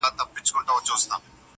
غنم د دې سیمې اصلي فصل دی.